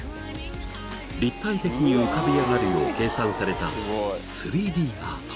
［立体的に浮かび上がるよう計算された］